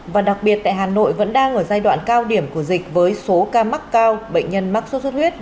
và đặc biệt tại hà nội vẫn đang ở giai đoạn cao điểm của dịch với số ca mắc cao bệnh nhân mắc sốt xuất huyết